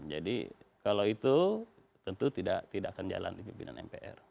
jadi kalau itu tentu tidak akan jalan di pimpinan mpr